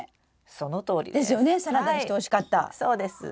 そのとおりです。ですよね！